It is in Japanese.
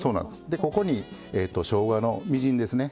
でここにしょうがのみじんですね。